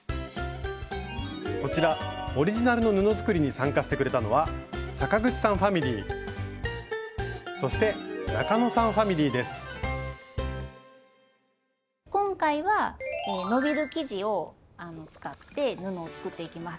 こちらオリジナルの布作りに参加してくれたのは今回は伸びる生地を使って布を作っていきます。